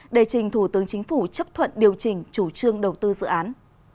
để trình thủ tướng chính phủ chấp thuận điều chỉnh chủ trương đầu tư dự án